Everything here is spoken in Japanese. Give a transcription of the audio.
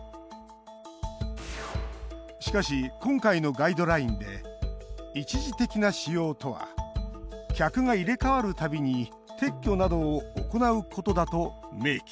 しかし、今回のガイドラインで一時的な使用とは客が入れ替わるたびに撤去などを行うことだと明記。